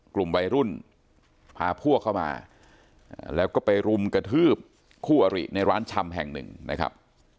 กลุ่มวัยรุ่นพาพวกเข้ามาแล้วก็ไปรุมกระทืบคู่อริในร้านชำแห่งหนึ่งนะครับ